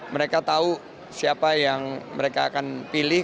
mereka tahu siapa yang mereka akan pilih